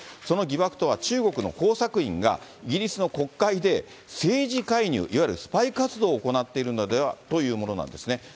その疑惑とは、中国の工作員が、イギリスの国会で、政治介入、いわゆるスパイ活動を行っているのではというものなんですね。